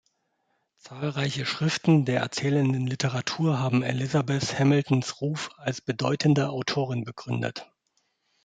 Zahlreiche Schriften der erzählenden Literatur haben Elizabeth Hamiltons Ruf als bedeutende Autorin begründet.